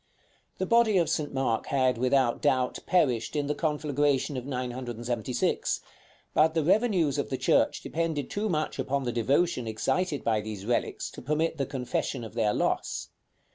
The body of St. Mark had, without doubt, perished in the conflagration of 976; but the revenues of the church depended too much upon the devotion excited by these relics to permit the confession of their loss.